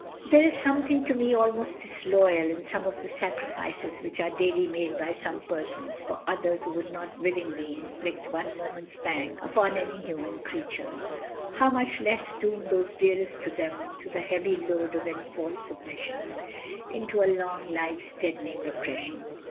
There is something to me almost disloyal in some of the sacrifices which are daily made by some persons for others who would not willingly inflict one moment's pang upon any human creature, how much less doom those dearest to them to the heavy load of enforced submission, to a long life's deadening repression.